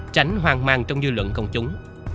tránh hoang mang trong dư luận công chúng